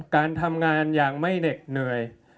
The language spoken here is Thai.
การทำงานอย่างไม่เหน็ดเหนื่อย